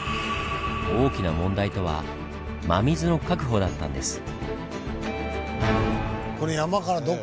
大きな問題とは真水の確保だったんです。